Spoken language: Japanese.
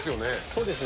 そうです。